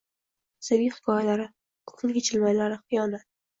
Sevgi hikoyalari, ko’ngil kechinmalari, xiyonat